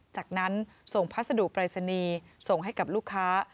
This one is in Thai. จากนั้นส่งพัสดุปรายศนีย์ส่งให้กับลูกค้า